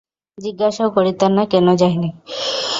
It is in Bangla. জিজ্ঞাসাও করিতেন না, কেন যাই নাই।